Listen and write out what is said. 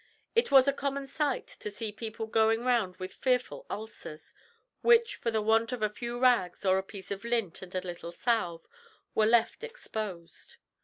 It was a common sight to see people going round with fearful ulcers, which, for the want of a few rags or a piece of lint and a little salve, were left exposed.